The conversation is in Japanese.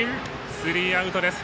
スリーアウトです。